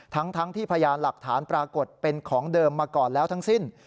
ทั้งที่พยานหลักฐานปรากฏเป็นของเดิมมาก่อนแล้วทั้งสิ้น